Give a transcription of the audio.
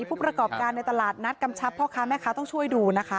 ผู้ประกอบการในตลาดนัดกำชับพ่อค้าแม่ค้าต้องช่วยดูนะคะ